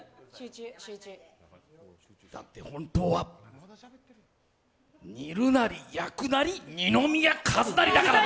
だって本当は煮るなり焼くなり二宮和也だから。